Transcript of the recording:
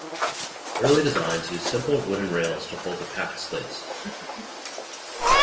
Early designs used simple wooden rails to hold the packed slates.